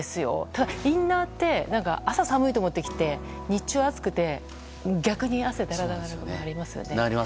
ただ、インナーって朝寒いなって思って着て日中、暑くて逆に汗だらだらになりますよね。